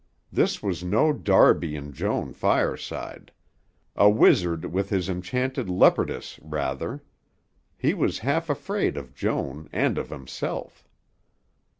This was no Darby and Joan fireside; a wizard with his enchanted leopardess, rather. He was half afraid of Joan and of himself.